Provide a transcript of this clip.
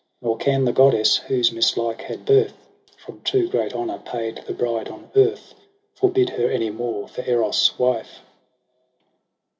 Nor can the goddess, whose mislike had birth From too great honour paid the bride on earth. Forbid her any more for Eros' wife.'